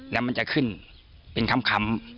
แล้วมันจะขึ้นเป็นค้ำ